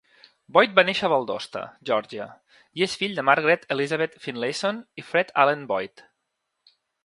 Boyd va néixer a Valdosta, Georgia i és fill de Margaret Elizabeth Finlayson i Fred Allen Boyd.